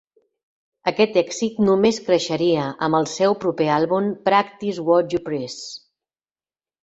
Aquest èxit només creixeria amb el seu proper àlbum "Practice What You Preach".